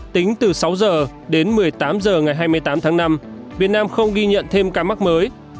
tính từ sáu h đến một mươi tám h ngày hai mươi tám tháng năm việt nam không ghi nhận thêm ca mắc mới